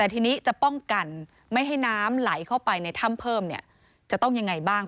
แต่ทีนี้จะป้องกันไม่ให้น้ำไหลเข้าไปในถ้ำเพิ่มจะต้องยังไงบ้าง